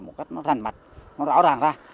một cách nó rành mạch nó rõ ràng ra